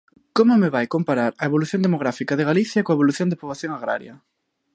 ¿Como me vai comparar a evolución demográfica de Galicia coa evolución da poboación agraria?